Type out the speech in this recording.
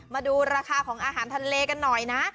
มาดูราคาของอาหารทะเลกันหน่อยนะ